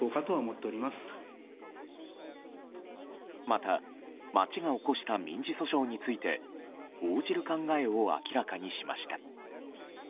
また町が起こした民事訴訟について応じる考えを明らかにしました。